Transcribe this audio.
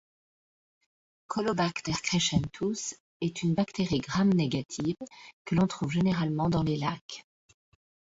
Caulobacter crescentus est une bactérie gram-négative que l’on trouve généralement dans les lacs.